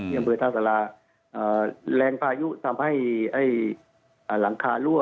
เครื่องพืชทะสาระ